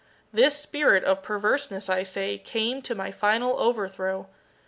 This spirit of perverseness, I say, came to my final overthrow.